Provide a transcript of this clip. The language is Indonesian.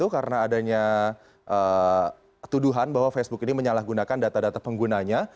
karena adanya tuduhan bahwa facebook ini menyalahgunakan data data penggunanya